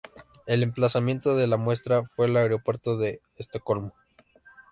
El emplazamiento de la muestra fue el aeropuerto de Estocolmo.